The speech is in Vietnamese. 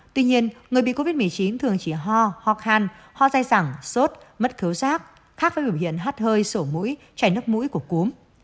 tuy nhiên người bị covid một mươi chín thường chỉ ho ho khan ho dai sẳng sốt mất khấu giác khác với biểu hiện hắt hơi sổ mũi chảy nước mũi của cúm